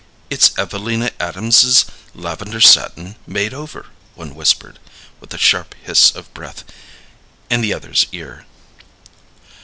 "It's Evelina Adams's lavender satin made over," one whispered, with a sharp hiss of breath, in the other's ear.